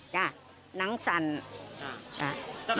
จ๊ะเครื่องนั้นไหม